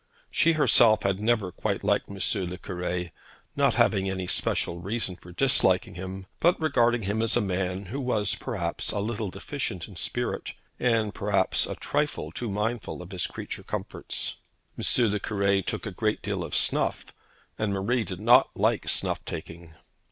She herself had never quite liked M. le Cure not having any special reason for disliking him, but regarding him as a man who was perhaps a little deficient in spirit, and perhaps a trifle too mindful of his creature comforts. M. le Cure took a great deal of snuff, and Marie did not like snuff taking.